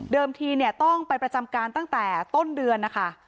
ทีเนี่ยต้องไปประจำการตั้งแต่ต้นเดือนนะคะ